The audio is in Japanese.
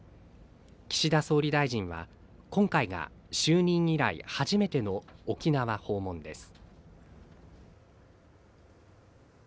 岸田総理大臣は、今回が就任以来初めての沖縄訪問です。